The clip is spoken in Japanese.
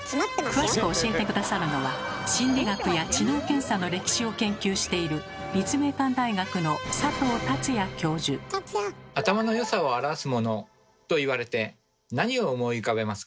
詳しく教えて下さるのは心理学や知能検査の歴史を研究している「頭のよさを表すもの」と言われて何を思い浮かべますか？